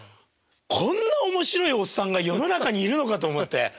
こんな面白いおっさんが世の中にいるのかと思って。